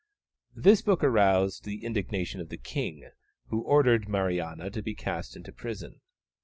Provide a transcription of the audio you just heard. This book aroused the indignation of the King, who ordered Mariana to be cast into prison.